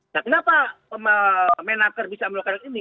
nah kenapa menaker bisa melakukan ini